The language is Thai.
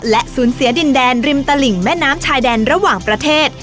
และสูญเสียดินแดนริมตลิ่งแม่น้ำชายแดนระหว่างประเทศ